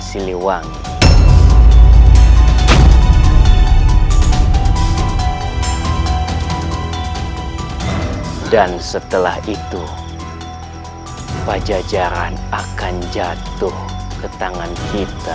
siliwangi dan setelah itu pajajaran akan jatuh ke tangan kita